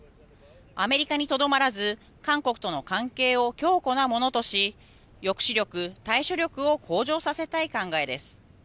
アメリカにとどまらず韓国との関係を強固なものとし抑止力、対処力を向上させたい考えです。